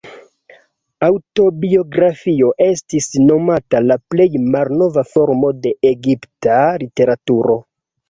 Aŭtobiografio estis nomata la plej malnova formo de egipta literaturo.